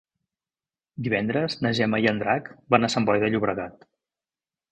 Divendres na Gemma i en Drac van a Sant Boi de Llobregat.